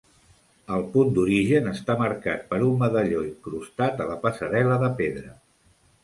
El punt d'origen està marcat per un medalló incrustat a la passarel·la de pedra.